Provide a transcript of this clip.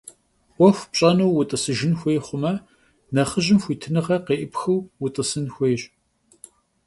'uexu pş'enu vut'ısıjjın xuêy xhume, nexhıjım xuitınığe khê'ıpxıu vut'ısın xuêyş.